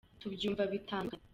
tubyumva bitandukanye.